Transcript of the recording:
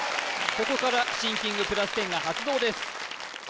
ここからシンキング＋１０が発動です